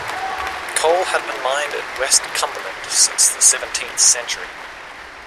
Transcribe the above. Coal had been mined in West Cumberland since the seventeenth century.